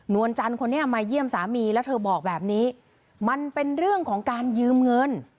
วลจันทร์คนนี้มาเยี่ยมสามีแล้วเธอบอกแบบนี้มันเป็นเรื่องของการยืมเงิน